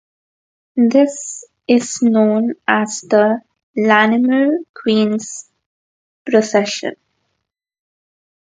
This is known as the Lanimer Queen's Procession.